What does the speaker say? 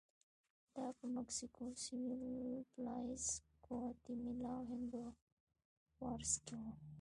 دا په مکسیکو سوېل، بلایز، ګواتیمالا او هندوراس کې و